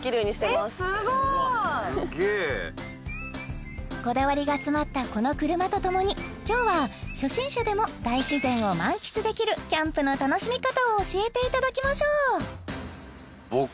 うわすげえこだわりが詰まったこの車とともに今日は初心者でも大自然を満喫できるキャンプの楽しみ方を教えていただきましょうでももう